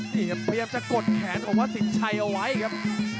พยายามจะกดแขนของคนสินชัยเอาไว้ครับ